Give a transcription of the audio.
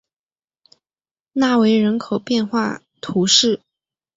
纳韦人口变化图示